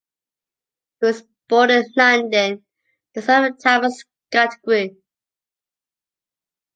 He was born in London, the son of Thomas Gatacre.